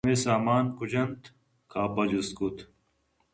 شمئے سامان کج اَنت؟ کاف ءَ جست کُت